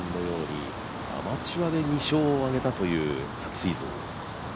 アマチュアで２勝を挙げたという昨シーズン。